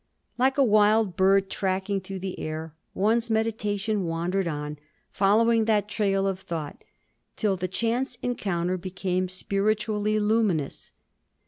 Like a wild bird tracking through the air, one's meditation wandered on, following that trail of thought, till the chance encounter became spiritually luminous.